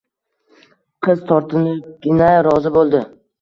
Qiz tortinibgina rozi bo`ldi